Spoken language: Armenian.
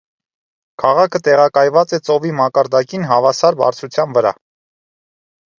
Քաղաքը տեղակայված է ծովի մակարդակին հավասար բարձրության վրա։